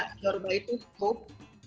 asgoreba itu sup